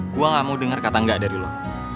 gue gak mau dengar kata enggak dari lo